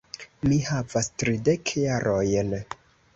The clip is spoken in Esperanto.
Mi havas tridek jarojn.